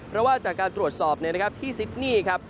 เพราะว่าจากการตรวจสอบที่ซิดนี่ครับ